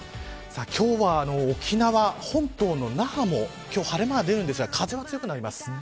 今日は沖縄本島の那覇も今日は晴れ間が出るんですが風は強くなります。